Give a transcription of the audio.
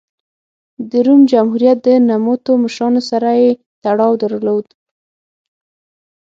د روم جمهوریت د نوموتو مشرانو سره یې تړاو درلود